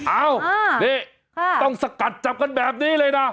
เอ้านี่ต้องสกัดจับกันแบบนี้เลยนะ